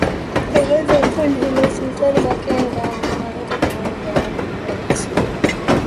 Kiongozi wa kundi hilo Sultani Makenga anaaminika kurudi jamhuri ya kidemokrasia ya Kongo na